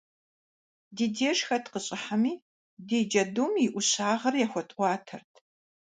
Ди деж хэт къыщӏыхьэми, ди джэдум и ӏущагъыр яхуэтӏуатэрт.